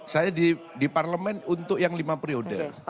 saya di parlemen untuk yang lima periode